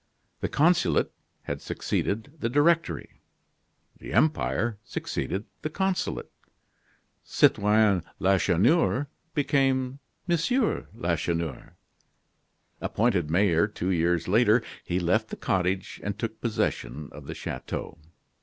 The Consulate had succeeded the Directory, the Empire succeeded the Consulate, Citoyen Lacheneur became M. Lacheneur. Appointed mayor two years later, he left the cottage and took possession of the chateau.